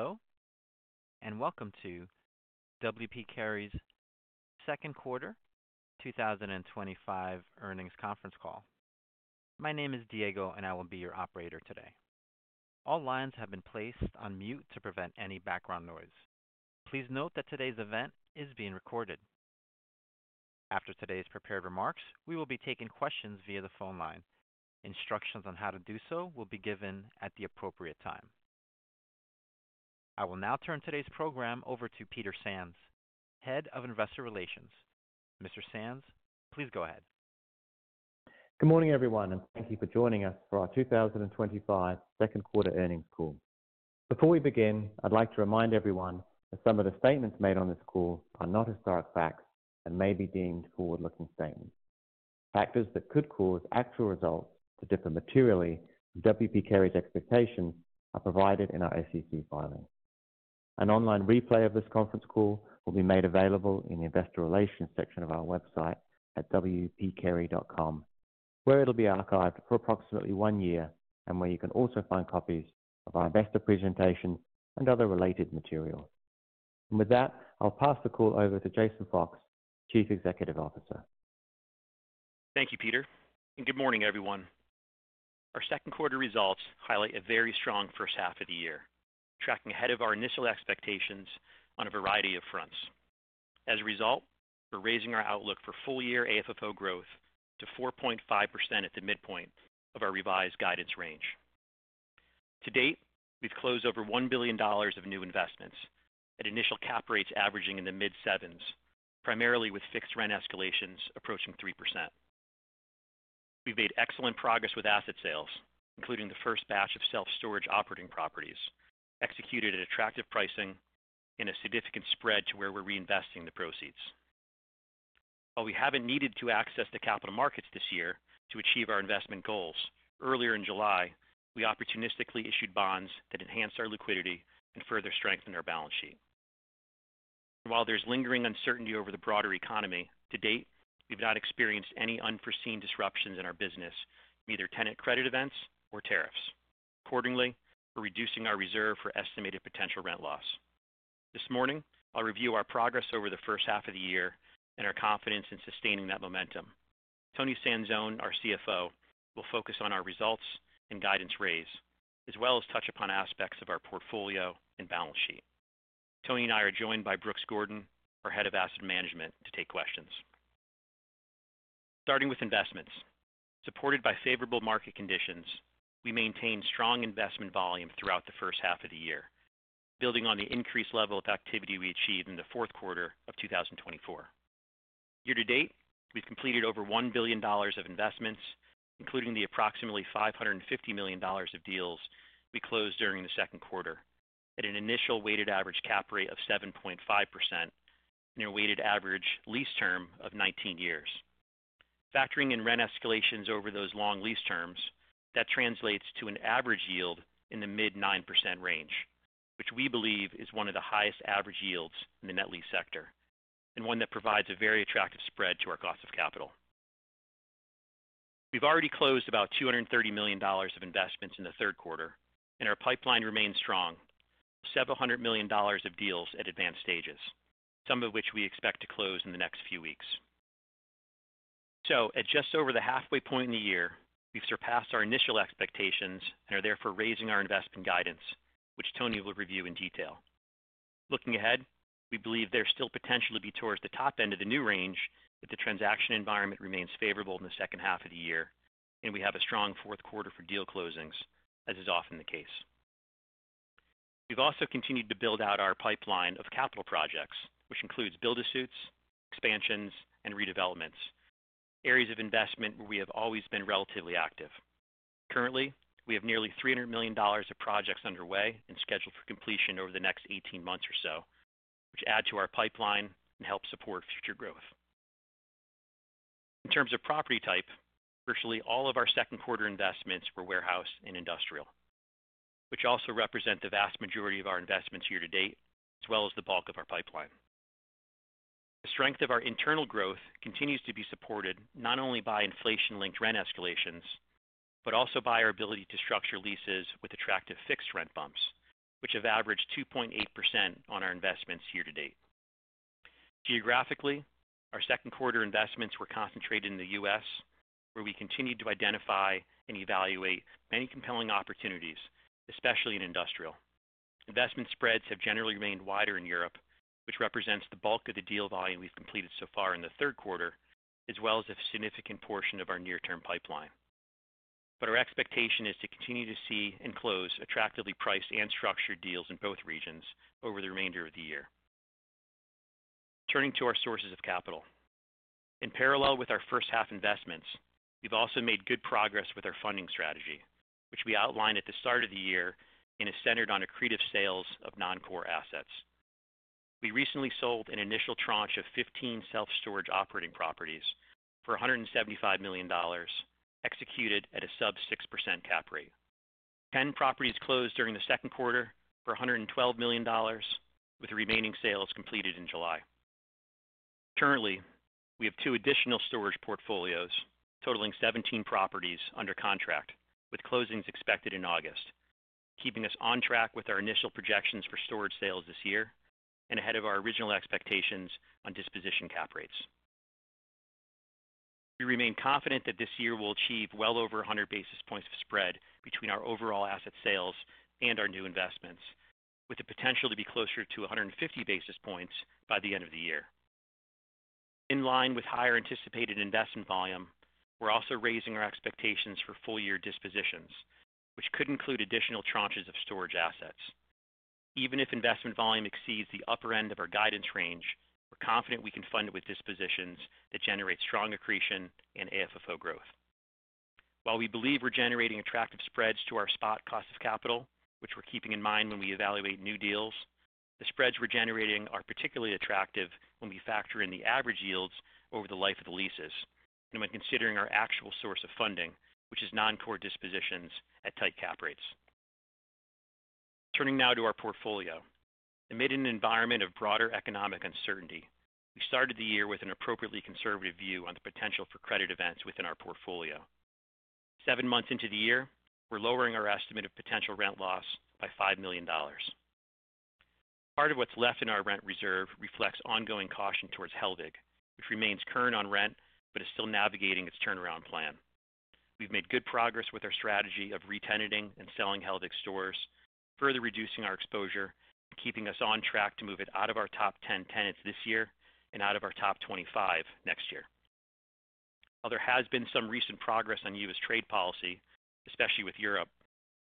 Hello and welcome to W. P. Carey's second quarter 2025 earnings conference call. My name is Diego and I will be your operator today. All lines have been placed on mute to prevent any background noise. Please note that today's event is being recorded. After today's prepared remarks, we will be taking questions via the phone line. Instructions on how to do so will be given at the appropriate time. I will now turn today's program over to Peter Sands, Head of Investor Relations. Mr. Sands, please go ahead. Good morning everyone and thank you for joining us for our 2025 second quarter earnings call. Before we begin, I'd like to remind everyone that some of the statements made on this call are not historic facts and may be deemed forward looking statements. Factors that could cause actual results to differ materially from W. P. Carey expectations are provided in our SEC filing. An online replay of this conference call will be made available in the Investor Relations section of our website at wpcarey.com where it'll be archived for approximately one year and where you can also find copies of our investor presentation and other related material. With that, I'll pass the call over to Jason Fox, Chief Executive Officer. Thank you, Peter and good morning everyone. Our second quarter results highlight a very strong first half of the year, tracking ahead of our initial expectations on a variety of fronts. As a result, we're raising our outlook for full year AFFO growth to 4.5% at the midpoint of our revised guidance range. To date, we've closed over $1 billion of new investments at initial cap rates averaging in the mid 7s primarily with fixed rent escalations approaching 3%. We've made excellent progress with asset sales, including the first batch of self-storage operating properties executed at attractive pricing and a significant spread to where we're reinvesting the proceeds. While we haven't needed to access the capital markets this year to achieve our investment goals, earlier in July we opportunistically issued bonds that enhanced our liquidity and further strengthened our balance sheet. While there's lingering uncertainty over the broader economy, to date we've not experienced any unforeseen disruptions in our business either tenant credit events or tariffs. Accordingly, we're reducing our reserve for estimated potential rent loss. This morning I'll review our progress over the first half of the year and our confidence in sustaining that momentum. Toni Sanzone, our CFO, will focus on our results and guidance raise as well as touch upon aspects of our portfolio and balance sheet. Toni and I are joined by Brooks Gordon, our Head of Asset Management, to take questions starting with investments supported by favorable market conditions. We maintain strong investment volume throughout the first half of the year, building on the increased level of activity we achieved in the fourth quarter of 2024. Year to date, we've completed over $1 billion of investments, including the approximately $550 million of deals we closed during the second quarter at an initial weighted average cap rate of 7.5% near weighted average lease term of 19 years. Factoring in rent escalations over those long lease terms, that translates to an average yield in the mid 9% range, which we believe is one of the highest average yields in the net lease sector and one that provides a very attractive spread to our cost of capital. We've already closed about $230 million of investments in the third quarter and our pipeline remains strong. Several hundred million dollars of deals at advanced stages, some of which we expect to close in the next few weeks. At just over the halfway point in the year, we've surpassed our initial expectations and are therefore raising our investment guidance, which Toni will review in detail. Looking ahead, we believe there's still potential to be towards the top end of the new range if the transaction environment remains favorable in the second half of the year and we have a strong fourth quarter for deal closings. As is often the case, we've also continued to build out our pipeline of capital projects, which includes build-to-suits, expansions, and redevelopments, areas of investment where we have always been relatively active. Currently, we have nearly $300 million of projects underway and scheduled for completion over the next 18 months or so, which add to our pipeline and help support future growth. In terms of property type, virtually all of our second quarter investments were warehouse and industrial, which also represent the vast majority of our investments year to date as well as the bulk of our pipeline. The strength of our internal growth continues to be supported not only by inflation-linked rent escalations, but also by our ability to structure leases with attractive fixed rent bumps, which have averaged 2.8% on our investments year to date. Geographically, our second quarter investments were concentrated in the U.S. where we continued to identify and evaluate many compelling opportunities, especially in industrial investment. Spreads have generally remained wider in Europe, which represents the bulk of the deal volume we've completed so far in the third quarter as well as a significant portion of our near-term pipeline. Our expectation is to continue to see and close attractively priced and structured deals in both regions over the remainder of the year. Turning to our sources of capital, in parallel with our first half investments, we've also made good progress with our funding strategy which we outlined at the start of the year and is centered on accretive sales of non core assets. We recently sold an initial tranche of 15 self-storage operating properties for $175 million executed at a sub 6% cap rate. 10 properties closed during the second quarter for $112 million with the remaining sales completed in July. Currently we have two additional storage portfolios totaling 17 properties under contract with closings expected in August. This is keeping us on track with our initial projections for storage sales this year and ahead of our original expectations on disposition cap rate. We remain confident that this year we will achieve well over 100 basis points of spread between our overall asset sales and our new investments, with the potential to be closer to 150 basis points by the end of the year in line with higher anticipated investment volume. We're also raising our expectations for full year dispositions which could include additional tranches of storage assets. Even if investment volume exceeds the upper end of our guidance range, we're confident we can fund it with dispositions that generate strong accretion and AFFO growth. While we believe we're generating attractive spreads to our spot cost of capital, which we're keeping in mind when we evaluate new deals, the spreads we're generating are particularly attractive when we factor in the average yields over the life of the leases and when considering our actual source of funding, which is non core dispositions at tight cap rates. Turning now to our portfolio, amid an environment of broader economic uncertainty, we started the year with an appropriately conservative view on the potential for credit events within our portfolio. Seven months into the year, we're lowering our estimate of potential rent loss by $5 million. Part of what's left in our rent reserve reflects ongoing caution towards Hellweg, which remains current on rent but is still navigating its turnaround plan. We've made good progress with our strategy of retenanting and selling Hellweg stores, further reducing our exposure, keeping us on track to move it out of our top 10 tenants this year and out of our top 25 next year. While there has been some recent progress on U.S. trade policy, especially with Europe,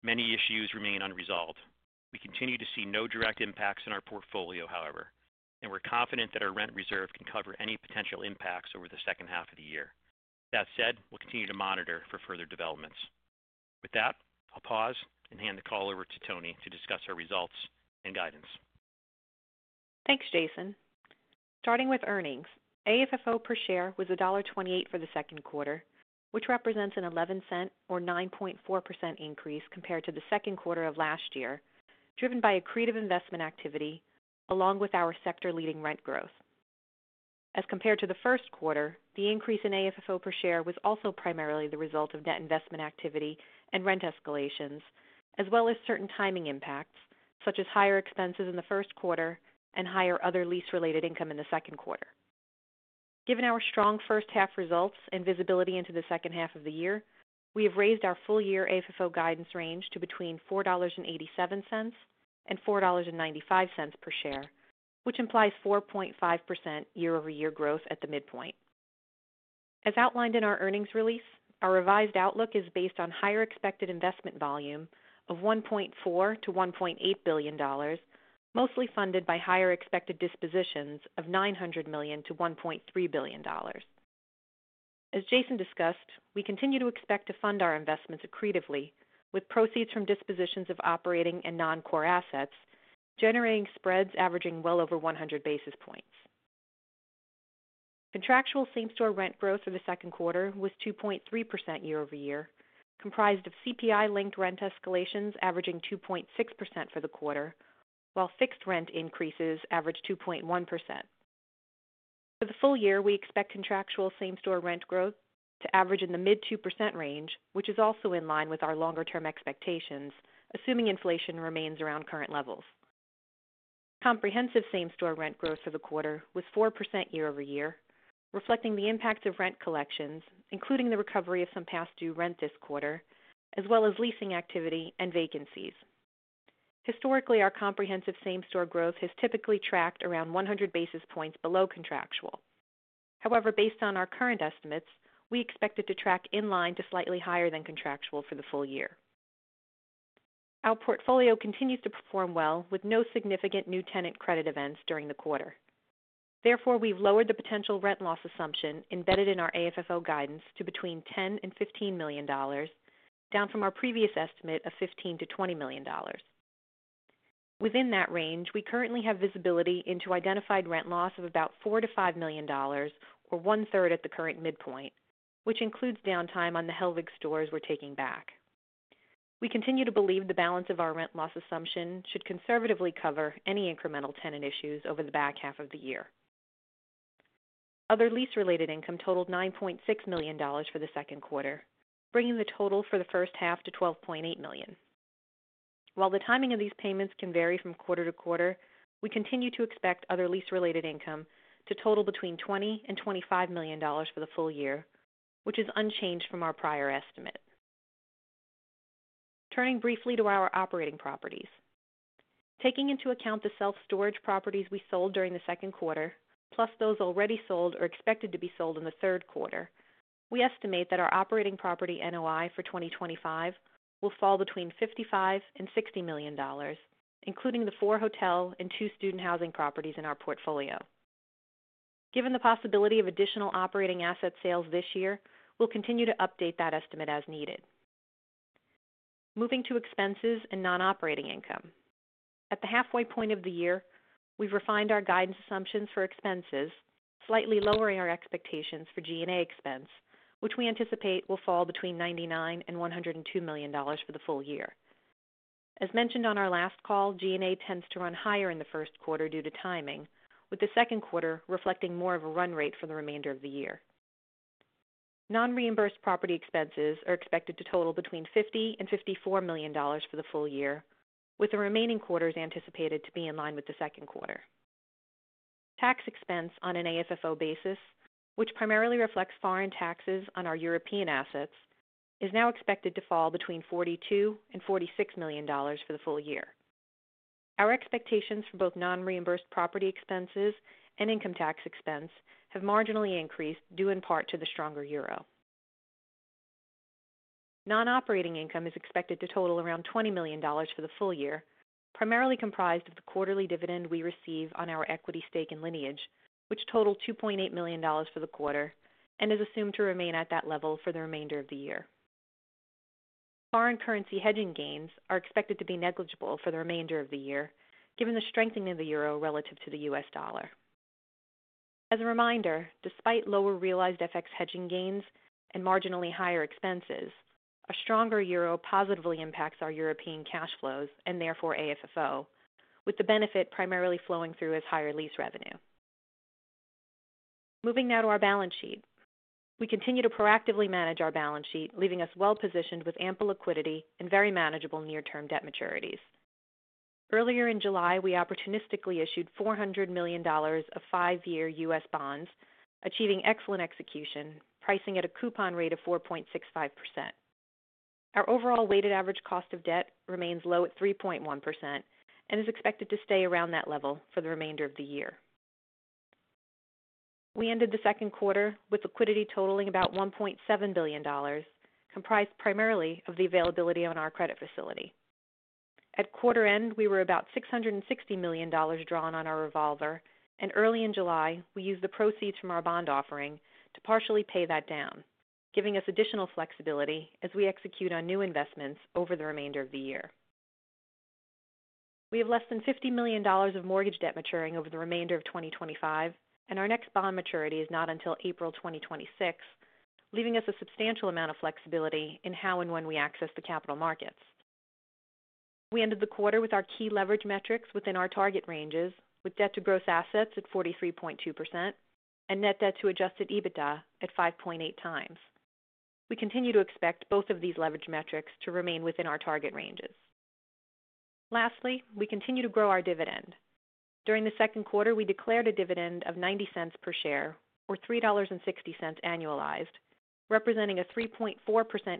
many issues remain unresolved. We continue to see no direct impacts in our portfolio, however, and we're confident that our rent reserve can cover any potential impacts over the second half of the year. That said, we'll continue to monitor for further developments. With that, I'll pause and hand the call over to Toni to discuss our results and guidance. Thanks, Jason. Starting with earnings, AFFO per share was $1.28 for the second quarter, which represents an $0.11 or 9.4% increase compared to the second quarter of last year, driven by accretive investment activity along with our sector leading rent growth as compared to the first quarter. The increase in AFFO per share was also primarily the result of net investment activity and rent escalations as well as certain timing impacts such as higher expenses in the first quarter and higher other lease related income in the second quarter. Given our strong first half results and visibility into the second half of the year, we have raised our full year AFFO guidance range to between $4.87 and $4.95 per share, which implies 4.5% year-over-year growth at the midpoint as outlined in our earnings release. Our revised outlook is based on higher expected investment volume of $1.4 billion-$1.8 billion, mostly funded by higher expected dispositions of $900 million-$1.3 billion. As Jason discussed, we continue to expect to fund our investments accretively with proceeds from dispositions of operating and non core assets generating spreads averaging well over 100 basis points. Contractual same store rent growth for the second quarter was 2.3% year-over-year, comprised of CPI linked rent escalations averaging 2.6% for the quarter, while fixed rent increases averaged 2.1% for the full year. We expect contractual same store rent growth to average in the mid 2% range, which is also in line with our longer term expectations assuming inflation remains around current levels. Comprehensive same store rent growth for the quarter was 4% year-over-year, reflecting the impact of rent collections including the recovery of some past due rent this quarter as well as leasing activity and vacancies. Historically, our comprehensive same store growth has typically tracked around 100 basis points below contractual. However, based on our current estimates, we expect it to track in line to slightly higher than contractual for the full year. Our portfolio continues to perform well with no significant new tenant credit events during the quarter. Therefore, we've lowered the potential rent loss assumption embedded in our AFFO guidance to between $10 million and $15 million, down from our previous estimate of $15 million-$20 million. Within that range, we currently have visibility into identified rent loss of about $4 million-$5 million or one-third at the current midpoint, which includes downtime on the Hellweg stores we're taking back. We continue to believe the balance of our rent loss assumption should conservatively cover any incremental tenant issues over the back half of the year. Other lease related income totaled $9.6 million for the second quarter, bringing the total for the first half to $12.8 million. While the timing of these payments can vary from quarter to quarter, we continue to expect other lease related income to total between $20 million-$25 million for the full year, which is unchanged from our prior estimate. Turning briefly to our operating properties, taking into account the self-storage operating properties we sold during the second quarter plus those already sold or expected to be sold in the third quarter, we estimate that our operating property NOI for 2025 will fall between $55 million-$60 million, including the four hotel and two student housing properties in our portfolio. Given the possibility of additional operating asset sales this year, we'll continue to update that estimate as needed. Moving to expenses and non operating income, at the halfway point of the year we've refined our guidance assumptions for expenses, slightly lowering our expectations for G&A expense, which we anticipate will fall between $99 million-$102 million for the full year. As mentioned on our last call, G&A tends to run higher in the first quarter due to timing, with the second quarter reflecting more of a run rate for the remainder of the year. Non reimbursed property expenses are expected to total between $50 million-$54 million for the full year, with the remaining quarters anticipated to be in line with the second quarter. Tax expense on an AFFO basis, which primarily reflects foreign taxes on our European assets, is now expected to fall between $42 million-$46 million for the full year. Our expectations for both non reimbursed property expenses and income tax expense have marginally increased due in part to the stronger euro. Non operating income is expected to total around $20 million for the full year, primarily comprised of the quarterly dividend we receive on our equity stake in Lineage, which totaled $2.8 million for the quarter and is assumed to remain at that level for the remainder of the year. Foreign currency hedging gains are expected to be negligible for the remainder of the year given the strengthening of the Euro relative to the US dollar. As a reminder, despite lower realized FX hedging gains and marginally higher expenses, a stronger Euro positively impacts our European cash flows and therefore AFFO, with the benefit primarily flowing through as higher lease revenue. Moving now to our balance sheet, we continue to proactively manage our balance sheet leaving us well positioned with ample liquidity and very manageable near-term debt maturities. Earlier in July we opportunistically issued $400 million of five year US bonds, achieving excellent execution pricing at a coupon rate of 4.65%. Our overall weighted average cost of debt remains low at 3.1% and is expected to stay around that level for the remainder of the year. We ended the second quarter with liquidity totaling about $1.7 billion, comprised primarily of the availability on our credit facility. At quarter end we were about $660 million drawn on our revolver and early in July we used the proceeds from our bond offering to partially pay that down, giving us additional flexibility as we execute on new investments over the remainder of the year. We have less than $50 million of mortgage debt maturing over the remainder of 2025, and our next bond maturity is not until April 2026, leaving us a substantial amount of flexibility in how and when we access the capital markets. We ended the quarter with our key leverage metrics within our target ranges, with debt to gross assets at 43.2% and net debt to adjusted EBITDA at 5.8x. We continue to expect both of these leverage metrics to remain within our target ranges. Lastly, we continue to grow our dividend. During the second quarter, we declared a dividend of $0.90 per share or $3.60 annualized, representing a 3.4%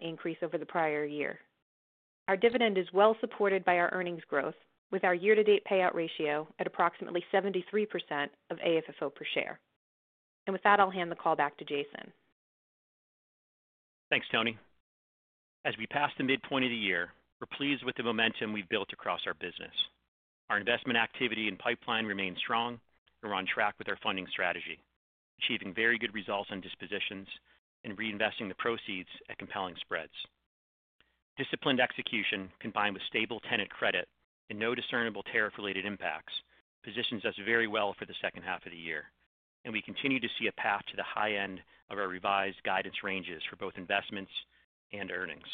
increase over the prior year. Our dividend is well supported by our earnings growth with our year to date payout ratio at approximately 73% of AFFO per share. With that, I'll hand the call back to Jason. Thanks, Toni. As we pass the midpoint of the year, we're pleased with the momentum we've built across our business. Our investment activity and pipeline remains strong. We're on track with our funding strategy, achieving very good results on dispositions and reinvesting the proceeds at compelling spreads. Disciplined execution combined with stable tenant credit and no discernible tariff related impacts positions us very well for the second half of the year. We continue to see a path to the high end of our revised guidance ranges for both investments and earnings.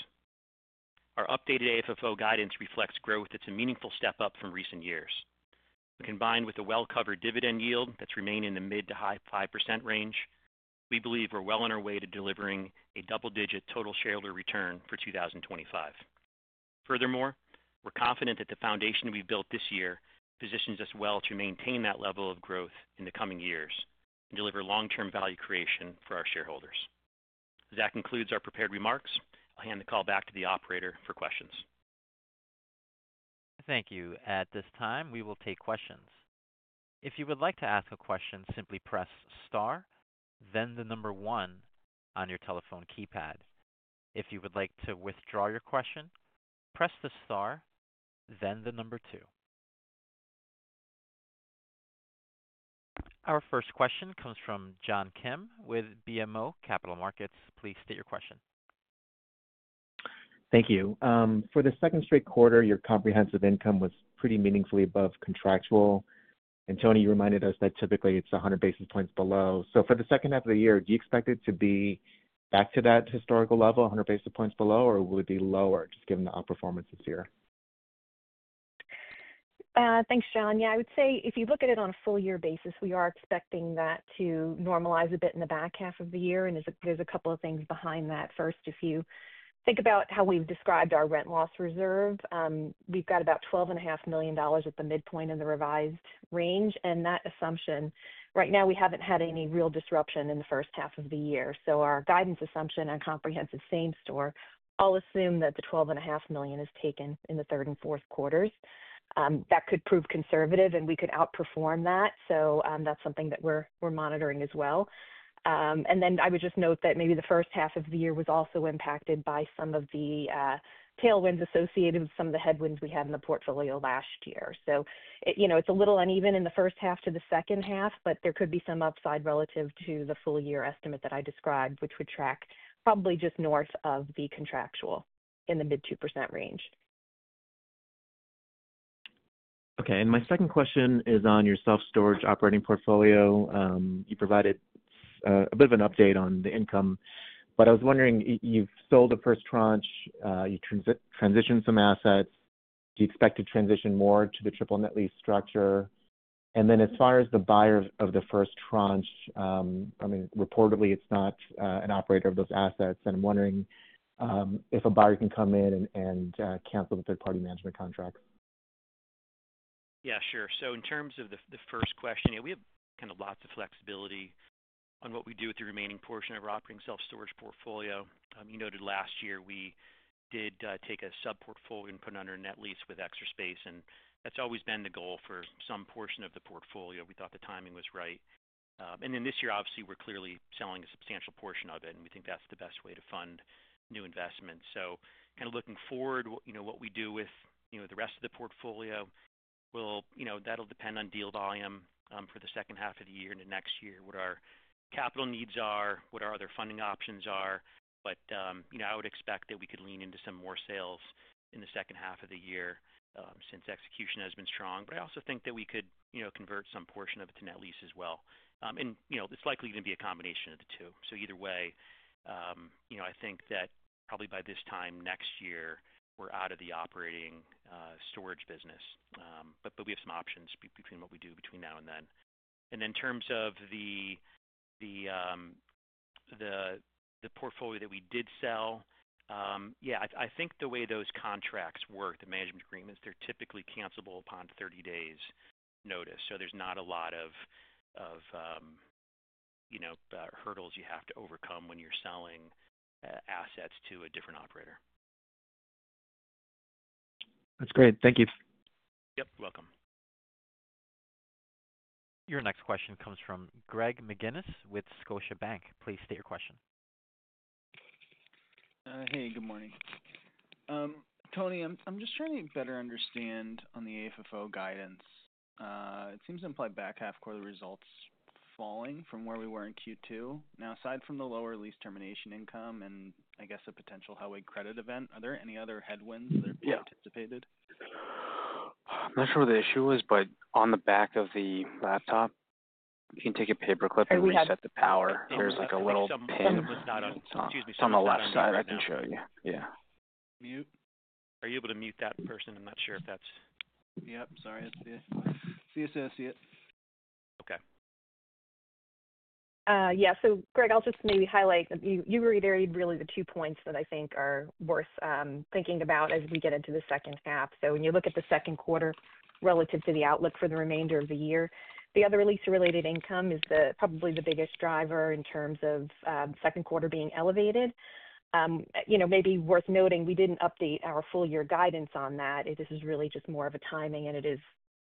Our updated AFFO guidance reflects growth that's a meaningful step up from recent years. Combined with a well covered dividend yield that's remained in the mid to high 5% range, we believe we're well on our way to delivering a double digit total shareholder return for 2025. Furthermore, we're confident that the foundation we built this year positions us well to maintain that level of growth in the coming years and deliver long-term value creation for our shareholders. That concludes our prepared remarks. I'll hand the call back to the operator for questions. Thank you. At this time we will take questions. If you would like to ask a question, simply press star, then the number one on your telephone keypad. If you would like to withdraw your question, press the star, then the number two. Our first question comes from John Kim with BMO Capital Markets. Please state your question. Thank you. For the second straight quarter, your comprehensive income was pretty meaningfully above contractual. And Toni, you reminded us that typically it's 100 basis points below. For the second half of the year, do you expect it to be back to that historical level, 100 basis points below, or will it be lower just given the outperformance this year? Thanks, John. Yeah, I would say if you look at it on a full year basis, we are expecting that to normalize a bit in the back half of the year. There's a couple of things behind that. First, if you think about how we've described our rent loss reserve, we've got about $12.5 million at the midpoint in the revised range. That assumption right now, we haven't had any real disruption in the first half of the year. Our guidance assumption on comprehensive same store, I'll assume that the $12.5 million is taken in the third and fourth quarters. That could prove conservative and we could outperform that. That's something that we're monitoring as well. I would just note that maybe the first half of the year was also impacted by some of the tailwinds associated with some of the headwinds we had in the portfolio last year. You know, it's a little uneven in the first half to the second half, but there could be some upside relative to the full year estimate that I described, which would track probably just north of the contractual in the mid 2% range. Okay, and my second question is on your self-storage operating portfolio, you provided a bit of an update on the income. But I was wondering, you sold the first tranche, you transitioned some assets, do you expect to transition more to the triple net lease structure? And then as far as the buyer of the first tranche, I mean reportedly it's not an operator of those assets. And I'm wondering if a buyer can come in and cancel the third-party management contract. Yeah, sure. So in terms of the first question, we have kind of lots of flexibility on what we do with the remaining portion of our operating self-storage portfolio. You noted last year we did take a sub-portfolio and put it under a net lease with Extra Space. And that's always been the goal for some portion of the portfolio. We thought the timing was right. And then this year obviously we're clearly selling a substantial portion of it and we think that's the best way to fund new investments. Kind of looking forward, what we do with the rest of the portfolio, that'll depend on deal volume for the second half of the year into next year, what our capital needs are, what our other funding options are. I would expect that we could lean into some more sales in the second half of the year since execution has been strong. I also think that we could convert some portion of it to net lease as well. It's likely going to be a combination of the two. Either way, I think that probably by this time next year we're out of the operating storage business. We have some options between what we do between now and then. In terms of the portfolio that we did sell, yeah, I think the way those contracts work, the management agreements, they're typically cancelable upon 30 days' notice. So there's not a lot of, you know, hurdles you have to overcome when you're selling assets to a different operator. That's great. Thank you. Yep. Welcome. Your next question comes from Greg McGinniss with Scotiabank. Please state your question. Hey, good morning, Toni. I'm just trying to better understand on the AFFO guidance. It seems to imply back half quarter results falling from where we were in Q2. Now, aside from the lower lease termination income and I guess a potential highway credit event, are there any other headwinds that are anticipated? I'm not sure what the issue is, but on the back of the laptop you can take a paperclip and reset the power. There's like a little pin. It's on the left side. I can show you. Yeah. Mute. Are you able to mute that person? I'm not sure if that's. Yep. Sorry. it's the associate. Okay. Yeah. So Greg, I'll just maybe highlight. You reiterated really the two points that I think are worth thinking about as we get into the second half. When you look at the second quarter relative to the outlook for the remainder of the year, the other lease related income is probably the biggest driver in terms of second quarter being elevated. You know, maybe worth noting we didn't update our full year guidance on that. This is really just more of a timing and it is,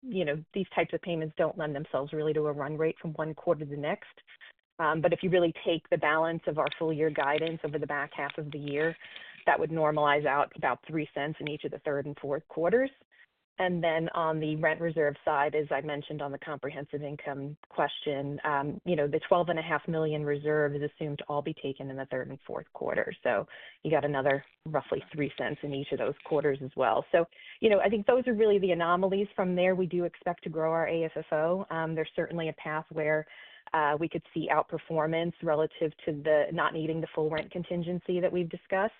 you know, these types of payments don't lend themselves really to a run rate from one quarter to the next. If you really take the balance of our full year guidance over the back half of the year, that would normalize out about $0.03 in each of the third and fourth quarters. On the rent reserve side, as I mentioned, on the comprehensive income question, the $12.5 million reserve is assumed to all be taken in the third and fourth quarter. You got another roughly $0.03 in each of those quarters as well. I think those are really the anomalies. From there, we do expect to grow our AFFO. There's certainly a path where we could see outperformance relative to not needing the full rent contingency that we've discussed.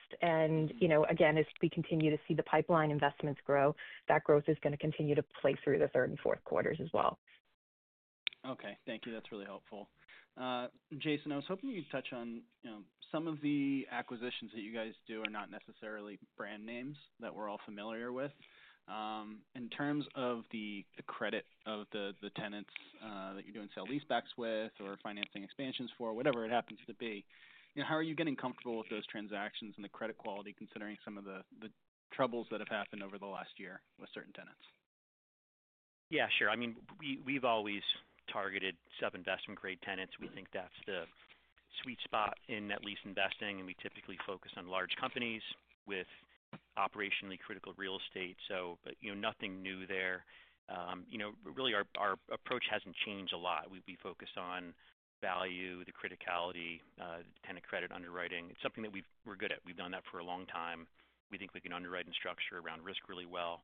As we continue to see the pipeline investments grow, that growth is going to continue to play through the third and fourth quarters as well. Okay, thank you, that's really helpful. Jason, I was hoping you'd touch on. Some of the acquisitions that you guys do are not necessarily brand names that we're all familiar with. In terms of the credit of the tenants that you're doing sell leasebacks with or financing expansions for whatever it happens to be. How are you getting comfortable with those transactions and the credit quality considering some of the troubles that have happened over the last year with certain tenants? Yeah, sure. We've always targeted sub investment grade tenants. We think that's the sweet spot in net lease investing. And we typically focus on large companies with operationally critical real estate. So, you know, nothing new there. You know, really our approach hasn't changed a lot. We focus on value, the criticality, tenant credit, underwriting. It's something that we've, we're good at. We've done that for a long time. We think we can underwrite and structure around risk really well,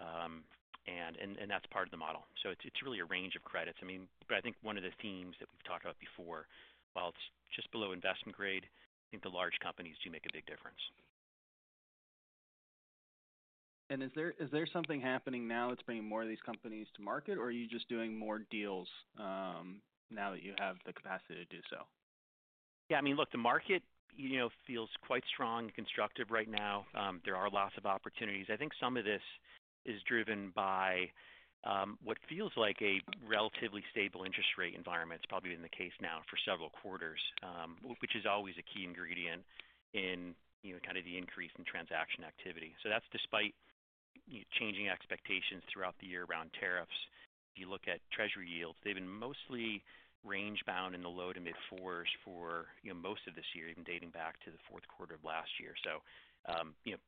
and that's part of the model. So it's really a range of credits. I mean, but I think one of the themes that we've talked about before, while it's just below investment grade, I think the large companies do make a big difference. Is there something happening now that's bringing more of these companies to market or are you just doing more deals now that you have the capacity to do so? Yeah, I mean, look, the market feels quite strong and constructive right now. There are lots of opportunities. I think some of this is driven by what feels like a relatively stable interest rate environment. It's probably been the case now for several quarters, which is always a key ingredient in kind of the increase in transaction activity. That's despite changing expectations throughout the year around tariffs. If you look at treasury yields, they've been mostly range bound in the low to mid fours for most of this year, even dating back to the fourth quarter of last year.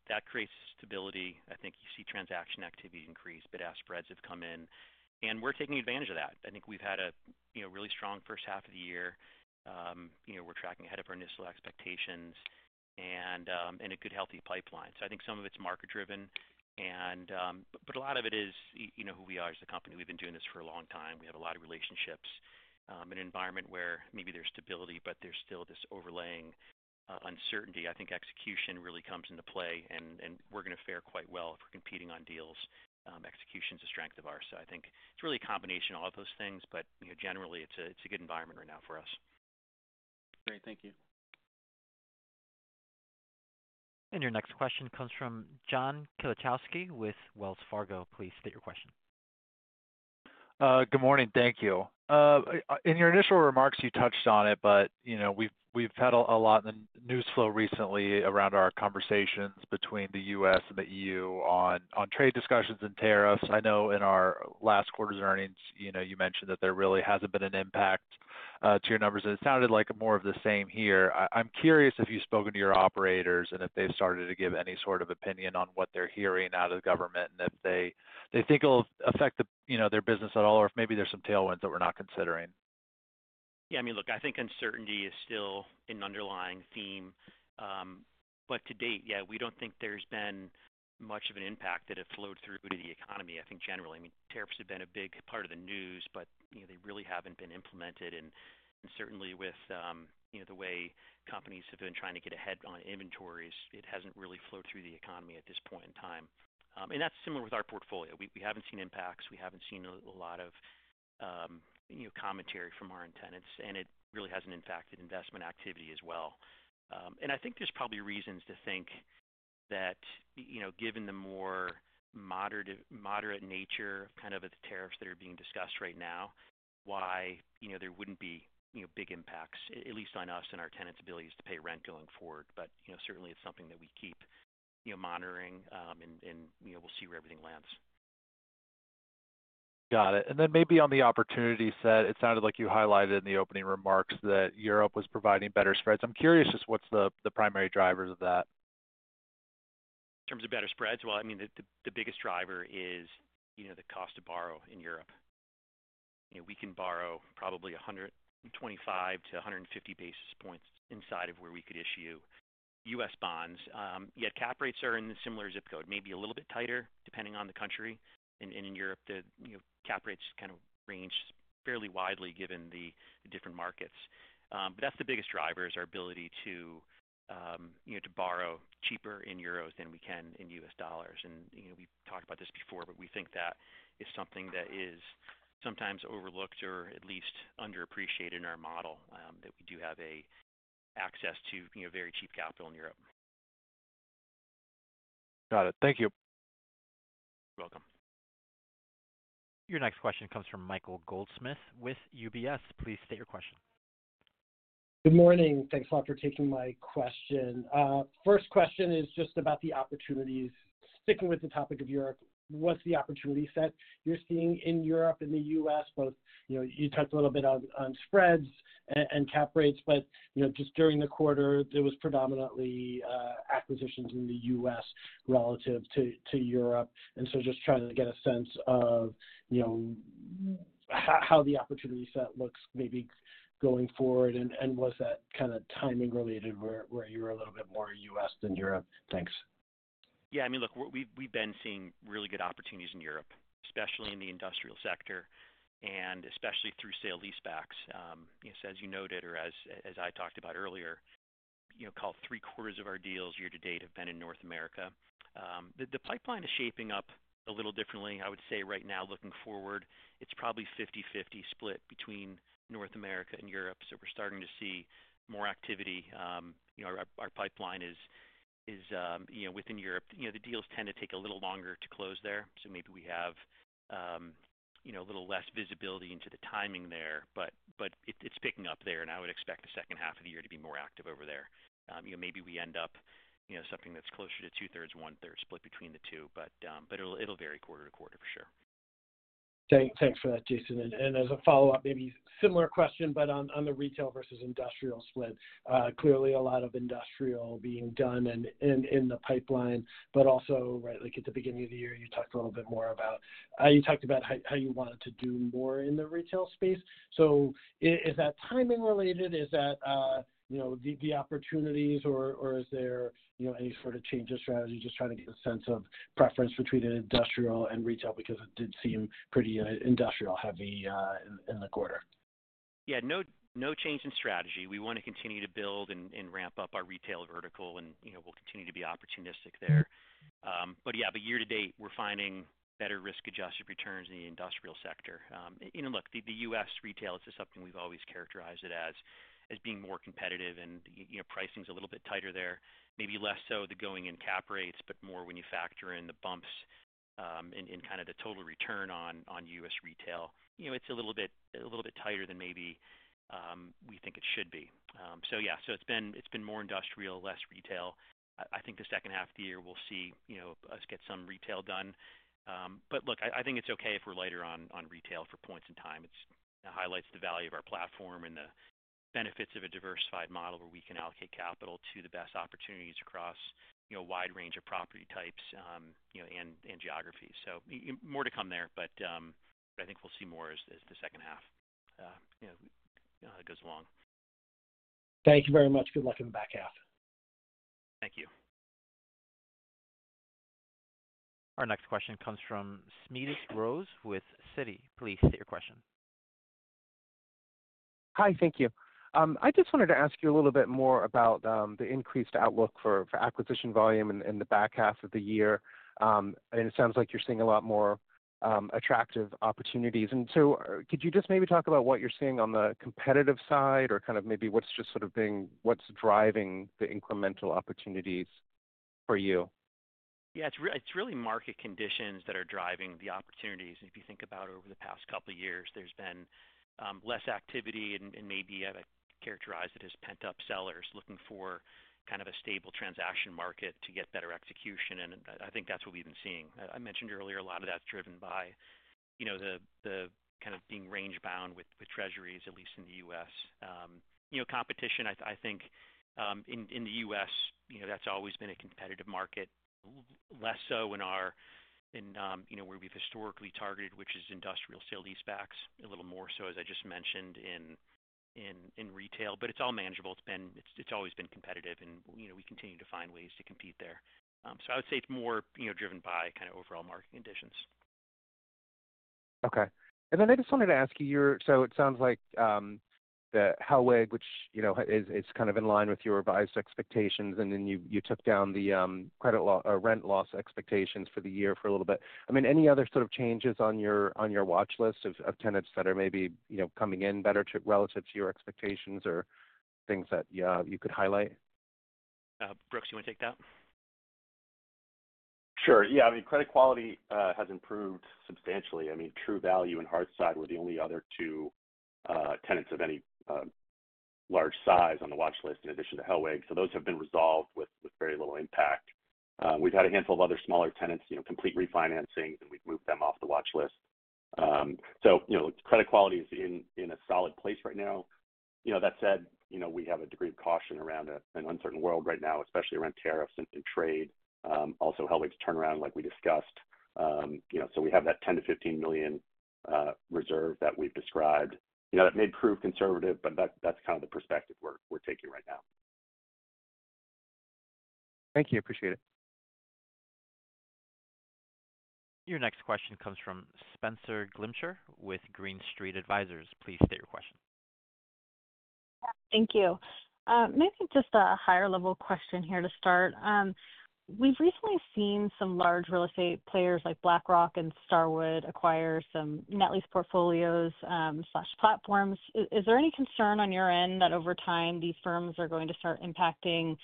That creates stability. I think you see transaction activity increase, bid ask spreads have come in and we're taking advantage of that. I think we've had a really strong first half of the year. We're tracking ahead of our initial expectations and a good, healthy pipeline. I think some of it's market driven. A lot of it is who we are as a company. We've been doing this for a long time. We have a lot of relationships in an environment where maybe there's stability, but there's still this overlaying uncertainty. I think execution really comes into play and we're going to fare quite well. If we're competing on deals, execution is a strength of ours. I think it's really a combination, all of those things, but generally it's a good environment right now for us. Great, thank you. And your next question comes from John Kilichowski with Wells Fargo. Please state your question. Good morning. Thank you. In your initial remarks, you touched on it, but we've had a lot in the news flow recently around our conversations between the U.S. and the EU on trade discussions and tariffs. I know in our last quarter's earnings, you know, you mentioned that there really hasn't been an impact to your numbers. It sounded like more of the same here. I'm curious if you've spoken to your operators and if they've started to give any sort of opinion on what they're hearing out of the government and if they think it'll affect their business at all or if maybe there's some tailwinds that we're not considering. Yeah, I mean, look, I think uncertainty is still an underlying theme, but to date, yeah, we don't think there's been much of an impact that have flowed through to the economy. I think generally. I mean, tariffs have been a big part of the news, but they really haven't been implemented. Certainly with the way companies have been trying to get ahead on inventories, it hasn't really flowed through the economy at this point in time. That's similar with our portfolio. We haven't seen impacts, we haven't seen a lot of commentary from our tenants, and it really hasn't impacted investment activity as well. I think there's probably reasons to think that, given the more moderate nature of the tariffs that are being discussed right now, why there wouldn't be big impacts, at least on us and our tenants' abilities to pay rent going forward. Certainly it's something that we keep monitoring and we'll see where everything lands. Got it. And then maybe on the opportunity set, it sounded like you highlighted in the opening remarks that Europe was providing better spreads. I'm curious, just what's the primary drivers of that. In terms of better spreads? I mean, the biggest driver is the cost to borrow. In Europe, we can borrow probably 125-150 basis points inside of where we could issue U.S. bonds. Yet cap rates are in the similar zip code, maybe a little bit tighter depending on the country. In Europe, cap rates kind of range fairly widely given the different markets. That is the biggest driver, our ability to borrow cheaper in euros than we can in US dollars. We talked about this before, but we think that is something that is sometimes overlooked or at least underappreciated in our model, that we do have access to very cheap capital in Europe. Got it. Thank you. Welcome. Your next question comes from Michael Goldsmith with UBS. Please state your question. Good morning. Thanks a lot for taking my question. First question is just about the opportunities. Sticking with the topic of Europe, what is the opportunity set you are seeing in Europe and the U.S. both? You know, you touched a little bit on spreads and cap rates, but you know, just during the quarter there were predominantly acquisitions in the US relative to Europe. Just trying to get a sense of how the opportunity set looks maybe going forward. Was that kind of timing related where you were a little bit more U.S. than Europe? Thanks. Yeah, I mean, look, we have been seeing really good opportunities in Europe, especially in the industrial sector and especially through sale leasebacks. As you noted, or as I talked about earlier, three quarters of our deals year to date have been in North America. The pipeline is shaping up a little differently. I would say right now, looking forward, it is probably a 50/50 split between North America and Europe. We are starting to see more activity. Our pipeline is within Europe. The deals tend to take a little longer to close there, so maybe we have a little less visibility into the timing there, but it is picking up there. I would expect the second half of the year to be more active over there. Maybe we end up with something that is closer to a 2/3-1/3 split between the two, but it will vary quarter to quarter for sure. Thanks for that, Jason. As a follow-up, maybe similar question, but on the retail versus industrial split. Clearly a lot of industrial being done in the pipeline, but also at the beginning of the year you talked a little bit more about, you talked about how you wanted to do more in the retail space. Is that timing related? Is that the opportunities or is there any sort of change of strategy? Just trying to get a sense of preference between industrial and retail because it did seem pretty industrial heavy in the quarter. Yeah, no change in strategy. We want to continue to build and ramp up our retail vertical and we'll continue to be opportunistic there. But year to date we're finding better risk adjusted returns in the industrial sector. Look, the U.S. retail is something we've always characterized as being more competitive and you know pricing is a little bit tighter there, maybe less so the going in cap rates but more when you factor in the bumps in kind of the total return on U.S. retail, you know it's a little bit tighter than maybe we think it should be. Yeah, it's been more industrial, less retail. I think the second half of the year we'll see you know us get some retail done. I think it's okay if we're lighter on retail for points in time. It highlights the value of our platform and the benefits of a diversified model where we can allocate capital to the best opportunities across a wide range of property types and geographies. More to come there but I think we'll see more as the second half goes along. Thank you very much. Good luck in the back half. Thank you. Our next question comes from Smedes Rose with Citi. Please state your question. Hi. Thank you. I just wanted to ask you a little bit more about the increased outlook for acquisition volume in the back half of the year. And it sounds like you're seeing a lot more attractive opportunities and so could you just maybe talk about what you're seeing on the competitive side or kind of maybe what's just sort of being what's driving the incremental opportunities for you? Yeah, it's really market conditions that are driving the opportunities. If you think about over the past couple years there's been less activity and maybe characterized it as pent up sellers looking for kind of a stable transaction market to get better execution. I think that's what we've been seeing, I mentioned earlier a lot of that's driven by the kind of being range bound with Treasuries at least in the U.S. competition. I think in the U.S. that's always been a competitive market. Less so where we've historically targeted which is industrial sale leasebacks a little more so as I just mentioned in retail. It's all manageable. It's always been competitive and we continue to find ways to compete there. I would say it's more driven by kind of overall market conditions. Okay. And then I just wanted to ask you. So it sounds like the Hellweg, which is kind of in line with your revised expectations, and then you took down the credit rent loss expectations for the year for a little bit. I mean, any other sort of changes on your watch list of tenants that are maybe, you know, coming in better relative to your expectations or things that you could highlight? Brooks, you want to take that? Sure, yeah. I mean, credit quality has improved substantially. I mean, True Value and Hearthside were the only other two tenants of any large size on the watch list in addition to Hellweg. So those have been resolved with very little impact. We've had a handful of other smaller tenants, you know, complete refinancing and we've moved them off the watch list. So credit quality is in a solid place right now. That said, we have a degree of caution around an uncertain world right now, especially around tariffs and trade, also helps turnaround like we discussed. We have that $10 million-$15 million reserve that we've described. That may prove conservative, but that's kind of the perspective we're taking right now. Thank you. I appreciate it. Your next question comes from Spenser Glimcher with Green Street Advisors. Please state your question. Thank you. Maybe just a higher level question here to start. We've recently seen some large real estate players like BlackRock and Starwood acquire some net lease portfolios, platforms. Is there any concern on your end that over time these firms are going to start impacting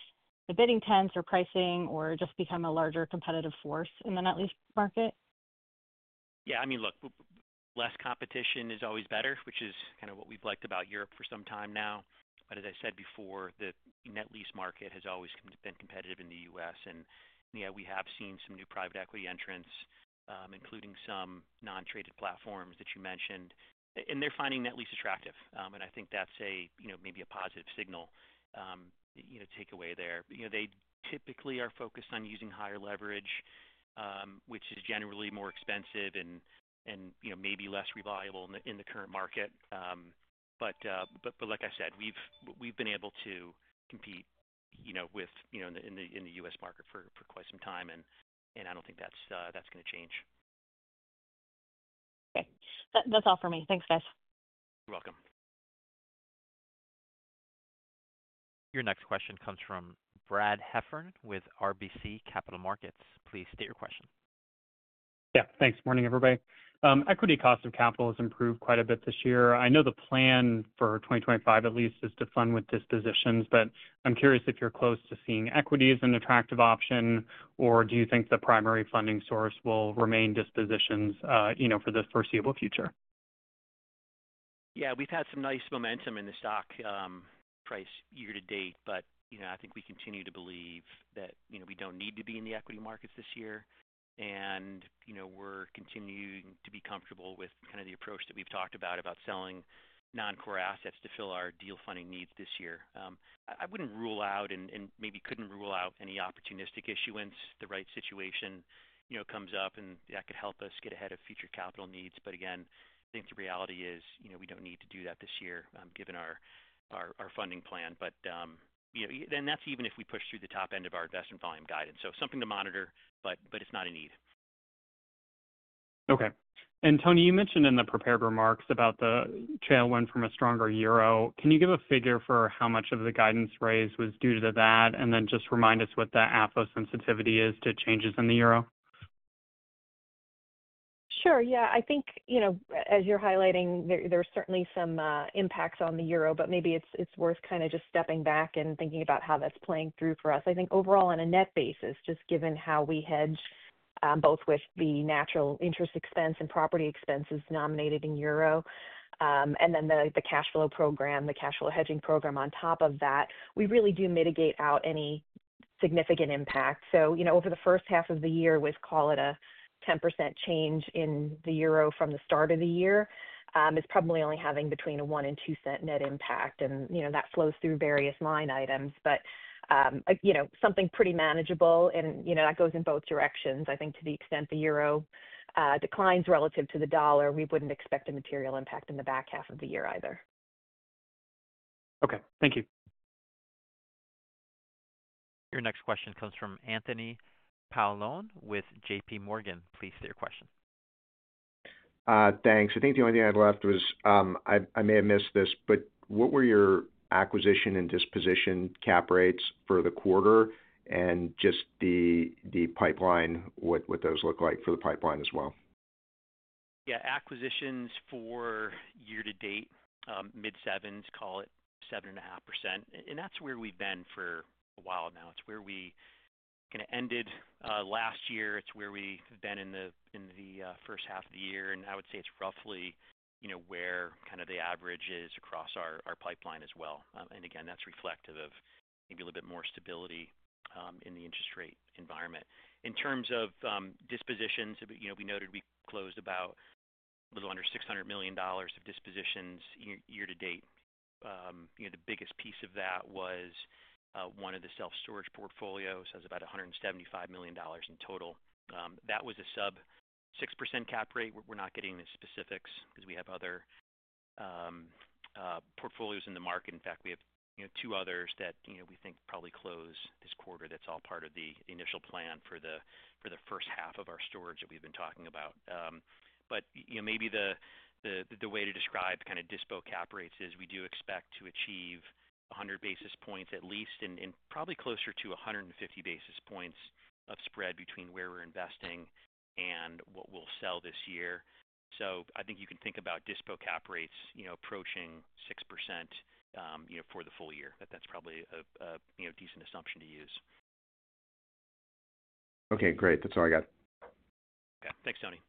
the bidding tents or pricing or just become a larger competitive force in the net lease market? Yeah, I mean, look, less competition is always better, which is kind of what we've liked about Europe for some time now. As I said before, the net lease market has always been competitive in the U.S. and we have seen some new private equity entrants, including some non-traded platforms that you mentioned, and they're finding net lease attractive. I think that's a, you know, maybe a positive signal, you know, take away there. You know, they typically are focused on using higher leverage, which is generally more expensive and, you know, maybe less reliable in the current market. Like I said, we've been able to compete, you know, in the U.S. market for quite some time. I don't think that's going to change. Okay, that's all for me. Thanks, guys. You're welcome. Your next question comes from Brad Heffern with RBC Capital Markets. Please state your question. Yeah, thanks. Morning everybody. Equity cost of capital has improved quite a bit this year. I know the plan for 2025 at least is to fund with dispositions, but I'm curious if you're close to seeing equity as an attractive option or do you think the primary funding source will remain dispositions for the foreseeable future? Yeah, we've had some nice momentum in the stock price year to date, but I think we continue to believe that we don't need to be in the equity markets this year and we're continuing to be comfortable with the approach that we've talked about about selling non-core assets to fill our deal funding needs this year. I wouldn't rule out and maybe couldn't rule out any opportunistic issuance if the right situation comes up and that could help us get ahead of future capital needs. Again, I think the reality is we don't need to do that this year given our funding plan. That's even if we push through the top end of our investment volume guidance. Something to monitor, but it's not a need. Okay, and Toni, you mentioned in the prepared remarks about the tailwind from a stronger euro. Can you give a figure for how much of the guidance raise was due to that and then just remind us what that sensitivity is to changes in the Euro? Sure, yeah. I think as you're highlighting, there are certainly some impacts on the Euro, but maybe it's worth kind of just stepping back and thinking about how that's playing through for us. I think overall on a net basis, just given how we hedge, both with the natural interest expense and property expenses denominated in Euro and then the cash flow hedging program on top of that, we really do mitigate out any significant impact. You know, over the first half of the year, we call it a 10% change in the Euro from the start of the year, it's probably only having between a $0.1-$0.2 net impact and, you know, that flows through various line items, but, you know, something pretty manageable and, you know, that goes in both directions. I think to the extent the Euro declines relative to the dollar, we wouldn't expect a material impact in the back half of the year either. Okay, thank you. Your next question comes from Anthony Paolone with JPMorgan. Please state your question. Thanks. I think the only thing I had left was, I may have missed this, but what were your acquisition and disposition cap rates for the quarter and just the pipeline? What those look like for the pipeline as well? Yeah, acquisitions for year to date, mid 7s, call it 7.5%. And that's where we've been for a while now. It's where we kind of ended last year. It's where we have been in the first half of the year. I would say it's roughly where kind of the average is across our pipeline as well. Again, that's reflective of maybe a little bit more stability in the interest rate environment. In terms of dispositions, we noted we closed about a little under $600 million of dispositions year to date. The biggest piece of that was one of the self-storage portfolio. It was about $175 million in total. That was a sub 6% cap rate. We're not getting the specifics because we have other portfolios in the market. In fact, we have two others that we think probably close this quarter. That's all part of the initial plan for the first half of our storage that we've been talking about. Maybe the way to describe dispo cap rates is we do expect to achieve 100 basis points at least and probably closer to 150 basis points of spread between where we're investing and what we'll sell this year. I think you can think about dispo cap rates approaching 6% for the full year. That's probably a decent assumption to use. Okay, great. That's all I got. Okay, thanks, Tony.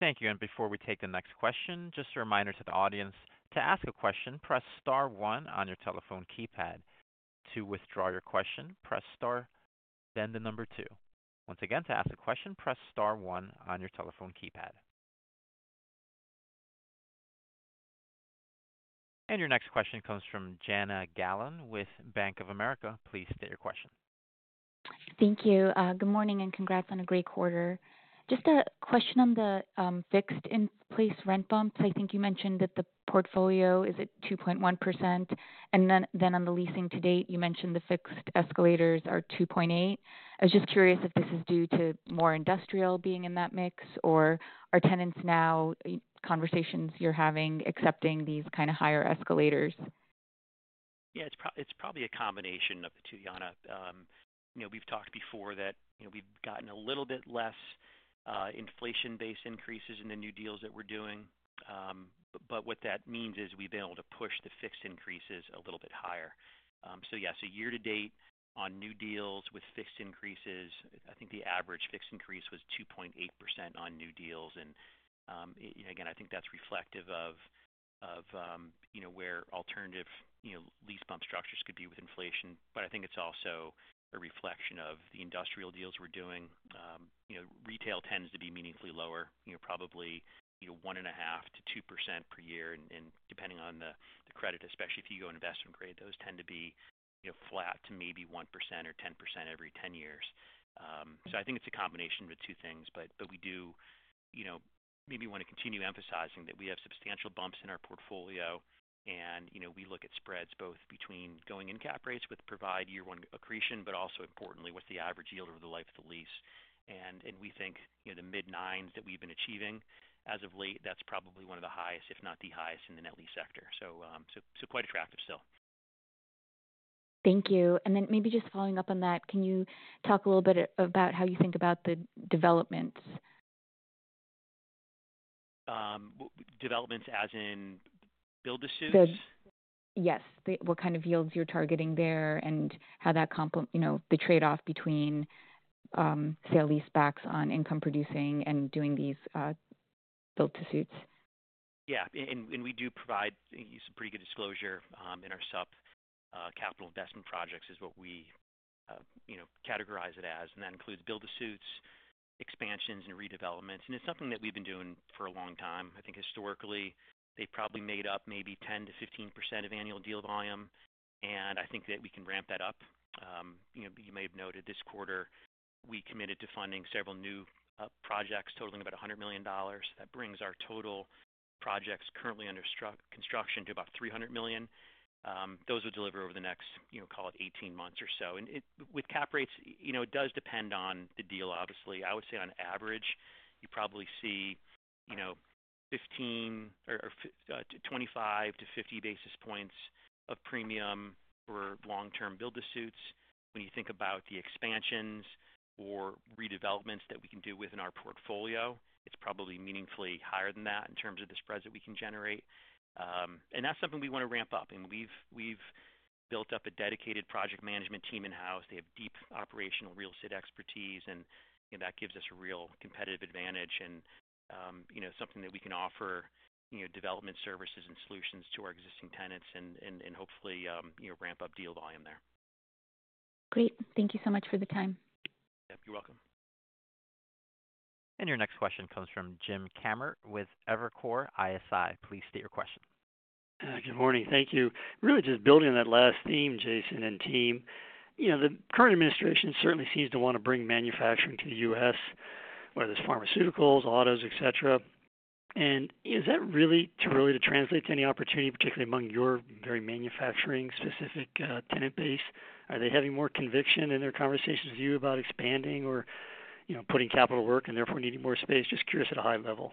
Thank you. Before we take the next question, just a reminder to the audience. To ask a question, press star one on your telephone keypad. To withdraw your question, press star then the number two. Once again, to ask a question, press star one on your telephone keypad. Your next question comes from Jana Galan with Bank of America. Please state your question. Thank you. Good morning and congrats on a great quarter. Just a question on the fixed in place rent bumps, I think you mentioned that the portfolio is at 2.1%. And then on the leasing to date, you mentioned the fixed escalators are 2.8%. I was just curious if this is due to more industrial being in that mix or are tenants now conversations you're having accepting these kind of higher escalators? Yeah, it's probably a combination of the two. Jana, we've talked before that we've gotten a little bit less inflation-based increases in the new deals that we're doing. What that means is we've been able to push the fixed increases a little bit higher. Yes, year to date on new deals with fixed increases, I think the average fixed increase was 2.8% on new deals. Again, I think that's reflective of where alternative lease bump structures could be with inflation. I think it's also a reflection of the industrial deals we're doing. Retail tends to be meaningfully lower, probably 1.5%-2% per year depending on the credit. Especially if you go investment grade, those tend to be flat to maybe 1% or 10% every 10 years. I think it's a combination of the two things. We do maybe want to continue emphasizing that we have substantial bumps in our portfolio. We look at spreads both between going-in cap rates, which provide year one accretion, but also importantly what's the average yield over the life of the lease. We think the mid-9 that we've been achieving as of late, that's probably one of the highest, if not the highest, in the net lease sector. Quite attractive still. Thank you. Maybe just following up on that, can you talk a little bit about how you think about the developments? Developments as in build-to-suits? Yes. What kind of yields you're targeting there and how that the trade off between sale leasebacks on income producing and doing these build to suits? Yeah, and we do provide some pretty good disclosure in our supplemental capital investment projects is what we categorize it as. And that includes build-to-suits, expansions, and redevelopments. And it's something that we've been doing for a long time. I think historically they probably made up maybe 10%-15% of annual deal volume. And I think that we can ramp that up. You may have noted this quarter we committed to funding several new projects totaling about $100 million. That brings our total projects currently under construction to about $300 million. Those will deliver over the next, you know, call it 18 months or so. And with cap rates, you know, it does depend on the deal obviously. I would say on average you probably see, you know, 15 or 25-50 basis points of premium for long-term build-to-suits. When you think about the expansions or redevelopments that we can do within our portfolio, it's probably meaningfully higher than that in terms of the spreads that we can generate. And that's something we want to ramp up. And we've built up a dedicated project management team in house. They have deep operational real estate expertise and that gives us a real competitive advantage and something that we can offer development services and solutions to our existing tenants and hopefully ramp up deal volume there. Great, thank you so much for the time. You're welcome. Your next question comes from Jim Kammert with Evercore ISI. Please state your question. Good morning. Thank you. Really just building on that last theme, Jason and team, you know, the current administration certainly seems to want to bring manufacturing to the U.S., whether it's pharmaceuticals, autos, etc. Is that really translating to any opportunity, particularly among your very manufacturing-specific tenant base? Are they having more conviction in their conversations with you about expanding or putting capital to work and therefore needing more space? Just curious at a high level.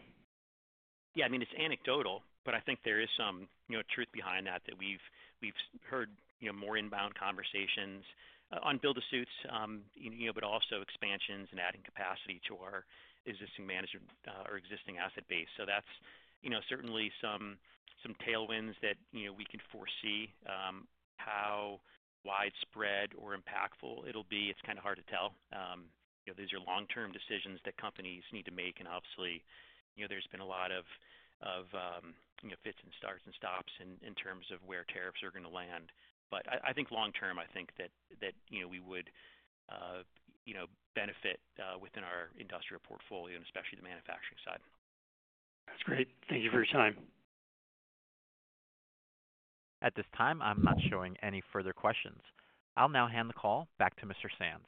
Yeah. I mean, it's anecdotal, but I think there is some truth behind that, that we've heard more inbound conversations on build-to-suits, but also expansions and adding capacity to our existing asset base. That's certainly some tailwinds that we can foresee. How widespread or impactful it'll be, it's kind of hard to tell. These are long-term decisions that companies need to make. Obviously, there's been a lot of fits and starts and stops in terms of where tariffs are going to land. I think long-term, we would benefit within our industrial portfolio and especially the manufacturing side. That's great. Thank you for your time. At this time, I'm not showing any further questions. I'll now hand the call back to Mr. Sands.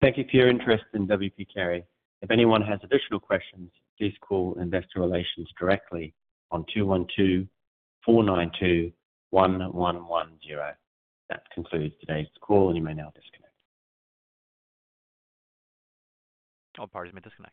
Thank you for your interest in W. P. Carey. If anyone has additional questions, please call Investor Relations directly on 212-492-1110. That concludes today's call. You may now disconnect. All parties may disconnect.